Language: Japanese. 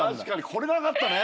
これなかったね。